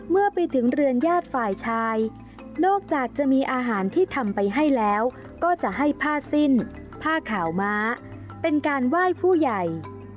เมื่อไปถึงเรือนญาติฝ่ายชายนอกจากจะมีอาหารที่ทำไปให้แล้วก็จะให้ผ้าสิ้นผ้าขาวม้าเป็นการไหว้ผู้ใหญ่